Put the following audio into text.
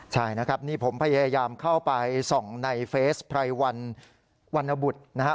ใช่นะครับนี่ผมพยายามเข้าไปส่องในเฟสไพรวันวันนบุตรนะฮะ